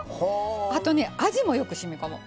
あとね味もよくしみこむ。